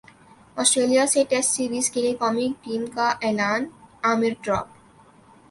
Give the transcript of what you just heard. سٹریلیا سے test series کیلئے قومی ٹیم کا اعلان عامر ڈراپ